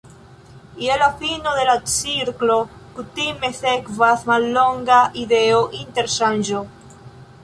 Je la fino de la cirklo kutime sekvas mallonga ideo-interŝanĝo.